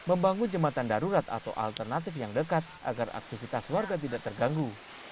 membangun jembatan darurat atau alternatif yang dekat agar aktivitas warga tidak terganggu